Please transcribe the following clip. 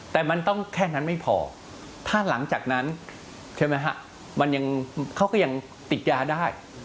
แต่มันต้องแค่นั้นไม่พอถ้าหลังจากนั้นใช่ไหมฮะมันยังเขาก็ยังติดยาได้